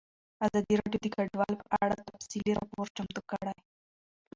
ازادي راډیو د کډوال په اړه تفصیلي راپور چمتو کړی.